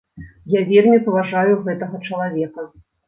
Я вельмі паважаю гэтага чалавека.